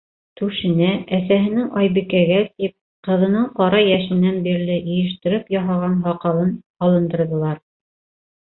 Түшенә, әсәһенең Айбикәгә тип, ҡыҙының ҡара йәшенән бирле йыйнаштырып яһаған һаҡалын һалындырҙылар.